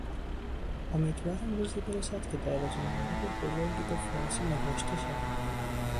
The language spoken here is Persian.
امیدوارم روزی برسد که دایرهالمعارف بزرگی به فارسی نگاشته شود.